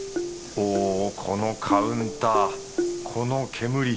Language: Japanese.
ほこのカウンターこの煙。